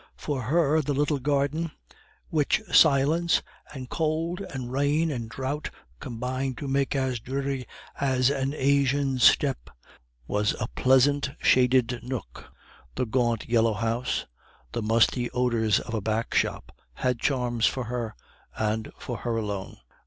For her, the little garden, which silence, and cold, and rain, and drought combined to make as dreary as an Asian steppe, was a pleasant shaded nook; the gaunt yellow house, the musty odors of a back shop had charms for her, and for her alone.